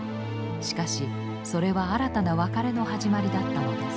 しかしそれは新たな別れの始まりだったのです。